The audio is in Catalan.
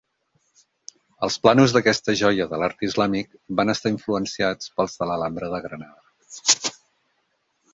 Els plànols d'aquesta joia de l'art islàmic van estar influenciats pels de l'Alhambra de Granada.